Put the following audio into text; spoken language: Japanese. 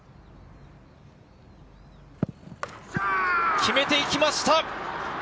決めていきました！